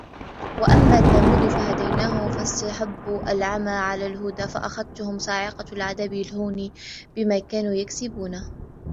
وَأَمَّا ثَمُودُ فَهَدَيْنَاهُمْ فَاسْتَحَبُّوا الْعَمَى عَلَى الْهُدَى فَأَخَذَتْهُمْ صَاعِقَةُ الْعَذَابِ الْهُونِ بِمَا كَانُوا يَكْسِبُونَ